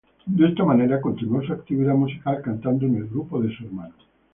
De esta manera, continuó su actividad musical cantando en el grupo de su hermano.